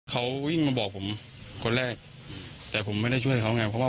กับอีกคนหนึ่งตายแล้ว